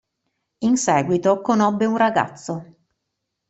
In seguito, conobbe un ragazzo.